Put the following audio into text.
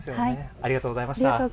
ありがとうございます。